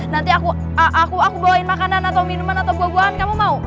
nanti aku bawain makanan atau minuman atau buah buahan kamu mau